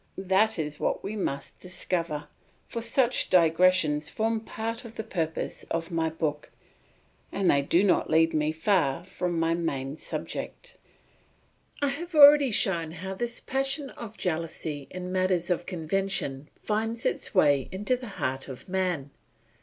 That is what we must discover; for such digressions form part of the purpose of my book, and they do not lead me far from my main subject. I have already shown how this passion of jealousy in matters of convention finds its way into the heart of man.